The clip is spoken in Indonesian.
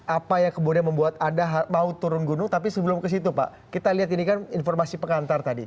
apa yang kemudian membuat anda mau turun gunung tapi sebelum ke situ pak kita lihat ini kan informasi pengantar tadi